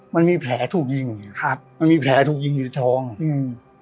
มันมีแผลถูกยิงครับมันมีแผลถูกยิงอยู่ในท้องอืม